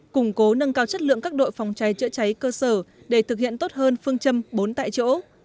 củng cố nâng cao chất lượng các đội phòng cháy chữa cháy cơ sở để thực hiện tốt hơn phương châm bốn tại chỗ